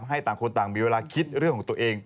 ให้ต่างคนต่างมีเวลาคิดเรื่องของตัวเอง